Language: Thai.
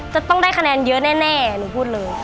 จะต้องได้คะแนนเยอะแน่หนูพูดเลย